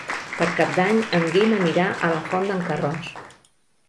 Per Cap d'Any en Guim anirà a la Font d'en Carròs.